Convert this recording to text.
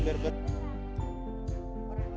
biar enggak ada kutunya